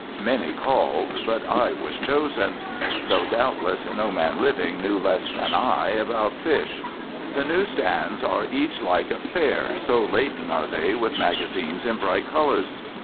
Many called, but I was chosen. Though, doubtless, no man living knew less about fish than I. The news stands are each like a fair, so laden are they with magazines in bright colours.